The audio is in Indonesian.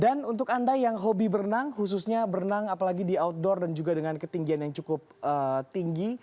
dan untuk anda yang hobi berenang khususnya berenang apalagi di outdoor dan juga dengan ketinggian yang cukup tinggi